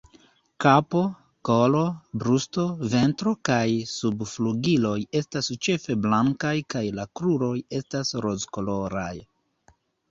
Kapo, kolo, brusto, ventro kaj subflugiloj estas ĉefe blankaj kaj la kruroj estas rozkoloraj.